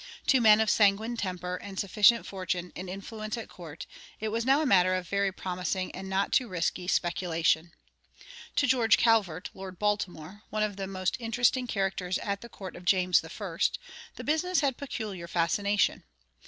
To men of sanguine temper and sufficient fortune and influence at court, it was now a matter of very promising and not too risky speculation. To George Calvert, Lord Baltimore, one of the most interesting characters at the court of James I., the business had peculiar fascination.